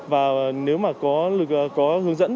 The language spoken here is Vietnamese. và nếu mà có hướng dẫn